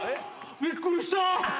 びっくりした。